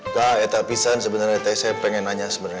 taa tapi tete sebenernya saya pengen nanya sebenernya